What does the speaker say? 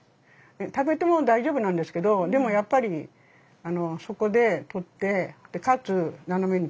食べても大丈夫なんですけどでもやっぱりそこで取ってかつ斜めに切るっていう。